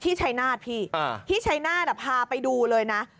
ที่ชายนาสพี่ที่ชายนาสอ่ะพาไปดูเลยนะ